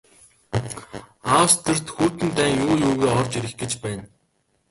Австрид Хүйтэн дайн юу юугүй орж ирэх гэж байв.